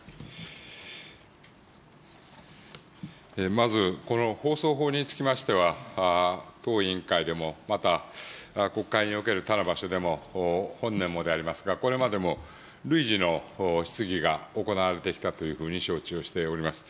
まずこの放送法につきましては、当委員会でも、また、国会における他の場所でも、本年でもありますが、これまでも累次の質疑が行われてきたというふうに承知をしております。